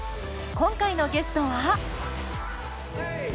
今回のゲストは？